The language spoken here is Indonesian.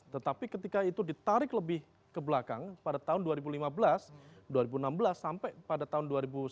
tetapi ketika itu ditarik lebih ke belakang pada tahun dua ribu lima belas dua ribu enam belas sampai pada tahun dua ribu sembilan belas